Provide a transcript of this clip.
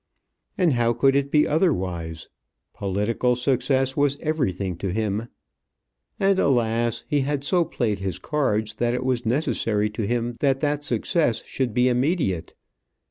And how could it be otherwise? Political success was everything to him; and, alas! he had so played his cards that it was necessary to him that that success should be immediate.